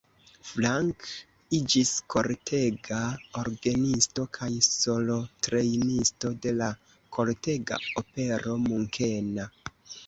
Frank iĝis kortega orgenisto kaj solotrejnisto de la kortega opero munkena.